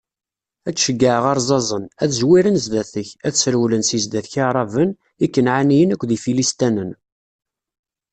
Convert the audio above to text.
Ad d-ceggɛeɣ arẓaẓen, ad zwiren zdat-k, ad srewlen si zdat-k Iɛraben, Ikanɛaniyen akked Ifilistanen.